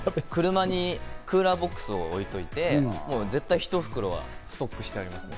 クーラーボックスを置いておいて、１袋ストックしてあります。